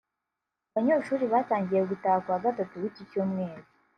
Abanyeshuri batangiye gutaha ku wa Gatatu w’iki cyumweru